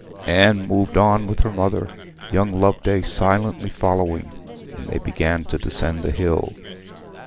Anne moved on with her mother, young Loveday silently following, and they began to descend the hill.